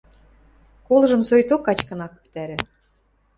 «Колжым соикток качкын ак пӹтӓрӹ.